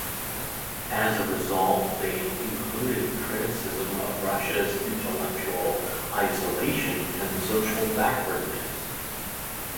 As a result, they included criticism of Russia's intellectual isolation and social backwardness.